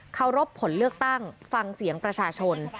รบผลเลือกตั้งฟังเสียงประชาชน